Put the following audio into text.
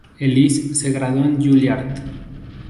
Ellis se graduó en Juilliard.